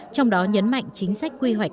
trong đó nhấn mạnh chính sách quy hoạch